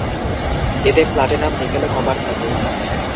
এতে platinum, nickel ও copper থাকে।